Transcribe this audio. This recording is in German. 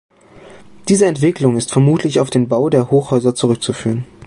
Diese Entwicklung ist vermutlich auf den Bau der Hochhäuser zurückzuführen.